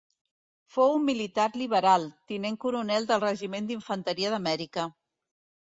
Fou un militar liberal, tinent coronel del Regiment d'Infanteria d'Amèrica.